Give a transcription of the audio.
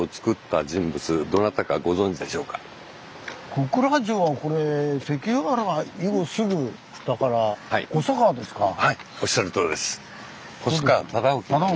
小倉城はこれ関ケ原以後すぐだからはいおっしゃるとおりです。